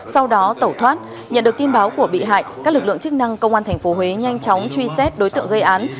sau đó tẩu thoát nhận được tin báo của bị hại các lực lượng chức năng công an tp huế nhanh chóng truy xét đối tượng gây án